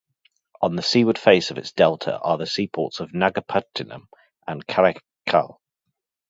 On the seaward face of its delta are the seaports of Nagapattinam and Karaikal.